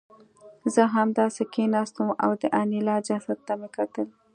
زه همداسې کېناستم او د انیلا جسد ته مې کتل